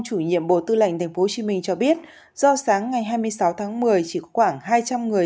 chủ nhiệm bộ tư lệnh tp hcm cho biết do sáng ngày hai mươi sáu tháng một mươi chỉ khoảng hai trăm linh người